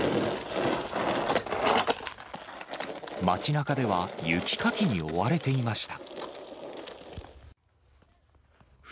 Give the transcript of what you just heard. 町なかでは雪かきに追われていました。